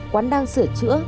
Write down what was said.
quán đang sửa chữa